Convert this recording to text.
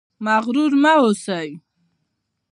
مغرور مه اوسئ